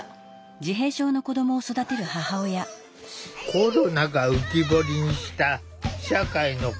コロナが浮き彫りにした社会の課題。